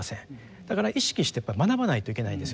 だから意識してやっぱり学ばないといけないですよね。